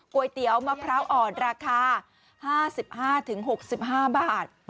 เตี๋ยวมะพร้าวอ่อนราคา๕๕๖๕บาท